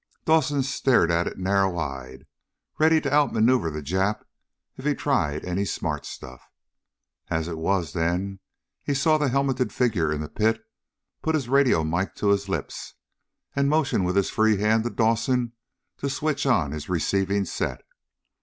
Dawson stared at it narrow eyed, ready to out maneuver the Jap if he tried any smart stuff. And it was then he saw the helmeted figure in the pit put his radio mike to his lips, and motion with his free hand to Dawson to switch on his receiving set.